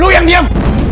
lo yang diam